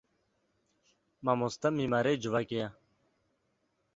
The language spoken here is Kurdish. Mamoste mîmarê civakê ye.